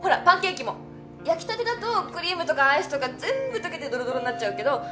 パンケーキも焼きたてだとクリームとかアイスとか全部溶けてどろどろになっちゃうけど。